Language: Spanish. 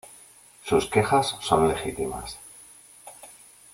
Sus quejas son legítimas